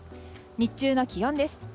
日中の気温です。